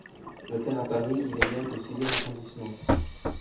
Notaire à Paris, il est maire du sixième arrondissement.